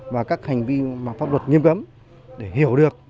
và các hành vi mà pháp luật nghiêm cấm để hiểu được